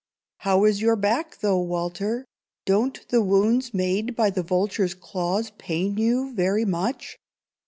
How is your back, though, Walter? Don't the wounds made by the vulture's claws pain you very much?"